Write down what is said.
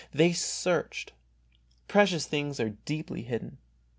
They searched. Precious things are deeply hidden.